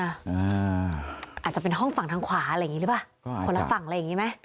อาจจะเป็นห้องฝั่งทางขวาคนละฝั่งอะไรยังไง